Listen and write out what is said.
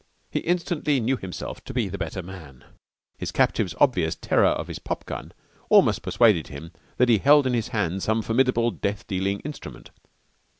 He instantly knew himself to be the better man. His captive's obvious terror of his pop gun almost persuaded him that he held in his hand some formidable death dealing instrument.